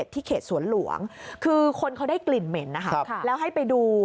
ที่เขตสวนหลวงคือคนเขาได้กลิ่นเหม็นนะคะแล้วให้ไปดู